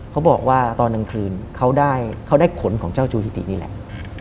เขาบอกว่าตอนกลางคืนเขาได้ขนของเจ้าจูฮิตินี่แหละ